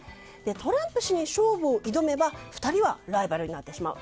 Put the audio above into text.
トランプ氏に勝負を挑めば２人はライバルになってしまう。